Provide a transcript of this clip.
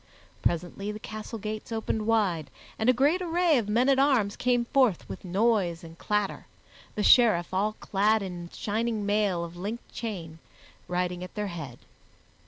Presently the castle gates opened wide and a great array of men at arms came forth with noise and clatter, the Sheriff, all clad in shining mail of linked chain, riding at their head.